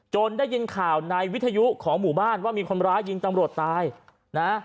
ได้ยินข่าวในวิทยุของหมู่บ้านว่ามีคนร้ายยิงตำรวจตายนะ